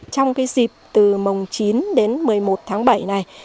trong dịp từ mồng chín đến một mươi một tháng bảy này